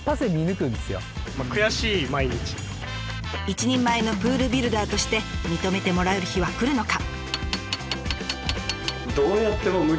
一人前のプールビルダーとして認めてもらえる日は来るのか？